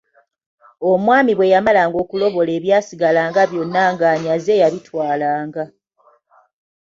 Omwami bwe yamalanga okulobola ebyasigalanga byonna ng’anyaze yabitwalanga.